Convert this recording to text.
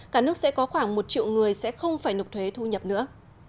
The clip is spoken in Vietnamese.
cả nước sẽ có khoảng một triệu người sẽ không phải nộp thuế thu nhập nữa